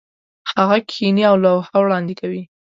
هغه کښېني او لوحه وړاندې کوي.